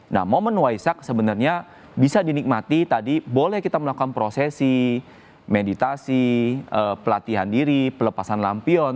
nah momen waisak sebenarnya bisa dinikmati tadi boleh kita melakukan prosesi meditasi pelatihan diri pelepasan lampion